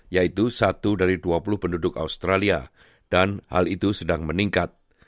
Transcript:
yaitu satu dari dua puluh penduduk australia dan hal itu sedang meningkat